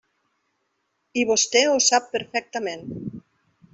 I vostè ho sap perfectament.